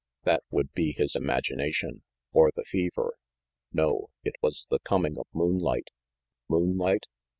That would be his imagination, or the fever no it was the coming of moonlight moonlight?